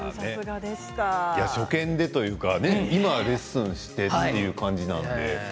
初見でというか今レッスンしてという感じなので。